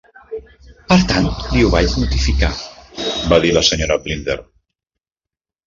"Per tant, li ho vaig notificar", va dir la senyora Blinder.